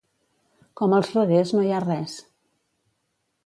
Com els Reguers no hi ha res.